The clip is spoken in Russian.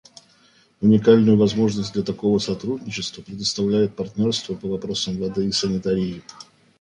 Уникальную возможность для такого сотрудничества предоставляет партнерство по вопросам воды и санитарии.